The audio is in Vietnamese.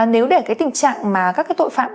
nếu để cái tình trạng mà các cái tội phạm